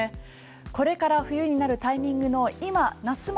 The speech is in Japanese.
これから冬になるタイミングの今夏物